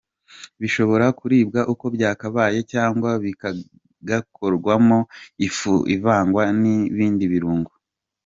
Bishobora kuribwa uko byakabaye cyangwa bigakorwamo ifu ivangwa n’ibindi birungo.